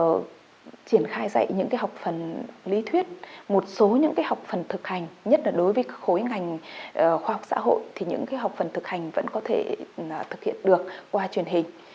và triển khai dạy những học phần lý thuyết một số những học phần thực hành nhất là đối với khối ngành khoa học xã hội thì những học phần thực hành vẫn có thể thực hiện được qua truyền hình